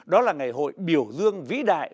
đó là ngày hội biểu dương vĩ đại